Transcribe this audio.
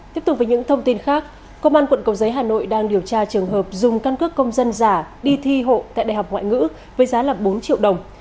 tiếp tục với những thông tin khác công an quận cầu giấy hà nội đang điều tra trường hợp dùng căn cước công dân giả đi thi hộ tại đại học ngoại ngữ với giá bốn triệu đồng